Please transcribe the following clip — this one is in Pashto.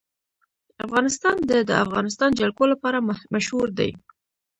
افغانستان د د افغانستان جلکو لپاره مشهور دی.